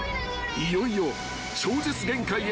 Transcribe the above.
［いよいよ超絶限界への］